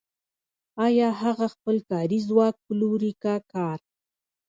آیا هغه خپل کاري ځواک پلوري که کار